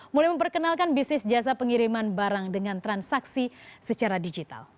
mulai memperkenalkan bisnis jasa pengiriman barang dengan transaksi secara digital